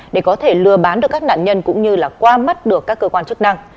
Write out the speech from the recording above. để có thể lừa bán được các nạn nhân cũng như là qua mắt được các cơ quan chức năng